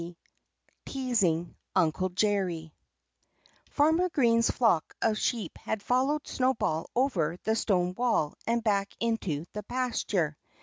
XIV TEASING UNCLE JERRY Farmer Green's flock of sheep had followed Snowball over the stone wall and back into the pasture.